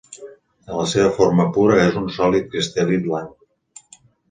En la seva forma pura és un sòlid cristal·lí blanc.